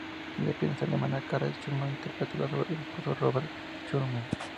La pianista alemana Clara Schumann interpretaba las obras de su esposo Robert Schumann.